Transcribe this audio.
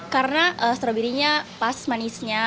karena stroberinya pas manisnya